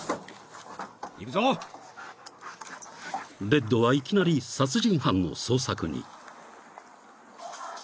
［レッドはいきなり殺人犯の捜索に］